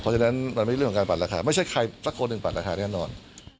เพราะฉะนั้นมันไม่เป็นเรื่องต่างความปัดราคาไม่ใช่ใครตั๊กคนหนึ่งปัดราคาเรื่องนอน